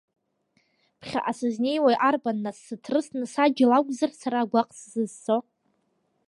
Ԥхьа сызнеиуа арбан, нас, сыҭрысны, саџьал акәзар сара агәаҟ сзызцо!